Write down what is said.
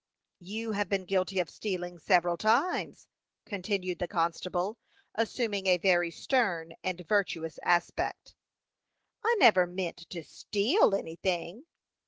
"You have been guilty of stealing several times," continued the constable, assuming a very stern and virtuous aspect. "I never meant to steal anything."